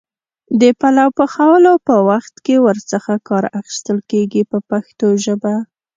د پلو پخولو په وخت کې ور څخه کار اخیستل کېږي په پښتو ژبه.